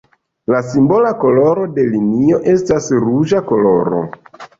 La simbola koloro de linio estas ruĝa koloro.